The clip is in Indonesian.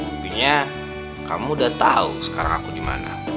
mungkinnya kamu udah tau sekarang aku dimana